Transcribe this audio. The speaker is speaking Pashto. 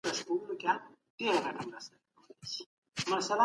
د طبیعي علومو ساحه تر ټولنیزو علومو پراخه ده.